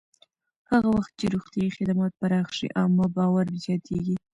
هغه وخت چې روغتیایي خدمات پراخ شي، عامه باور زیاتېږي.